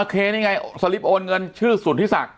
เคนี่ไงปัญหาโอนเงินชื่อสุดที่สัก